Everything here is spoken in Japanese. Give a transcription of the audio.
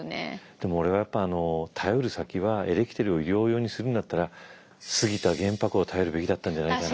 でも俺はやっぱ頼る先はエレキテルを医療用にするんだったら杉田玄白を頼るべきだったんじゃないかな。